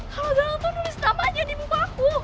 kalau galang tuh nulis namanya di buku aku